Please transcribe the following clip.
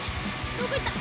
どこ行った？